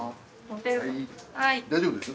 大丈夫です？